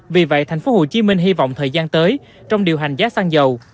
vì vậy tp hcm hy vọng thời gian tới trong điều hành giá xăng dầu